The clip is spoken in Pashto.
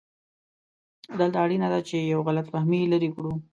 دلته اړینه ده چې یو غلط فهمي لرې کړو.